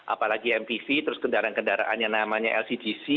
apalagi mpv terus kendaraan kendaraan yang namanya lcdc